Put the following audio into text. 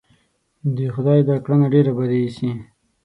د خدای دا کړنه ډېره بده اېسي.